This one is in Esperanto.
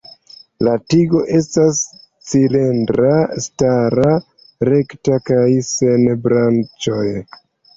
La tigo estas cilindra, stara, rekta kaj sen branĉoj.